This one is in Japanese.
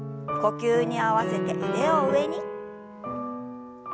呼吸に合わせて腕を上に。